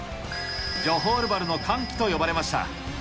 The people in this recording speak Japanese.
ジョホールバルの歓喜と呼ばれました。